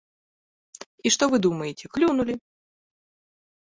І што вы думаеце, клюнулі.